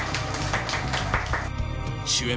主演